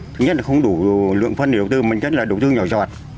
thứ nhất là không đủ lượng phân để đầu tư mình chắc là đầu tư nhỏ dọt